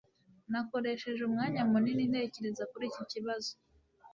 nakoresheje umwanya munini ntekereza kuri iki kibazo